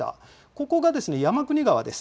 ここが山国川です。